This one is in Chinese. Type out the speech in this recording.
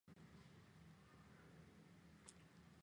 哈萨克斯坦的葡萄酒产自阿拉木图以东的山区。